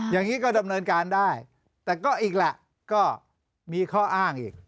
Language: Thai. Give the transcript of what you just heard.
อย่างนี้ก็ดำเนินการได้แต่ก็อีกแหละก็มีข้ออ้างอีก